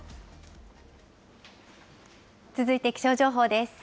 続いて気象情報です。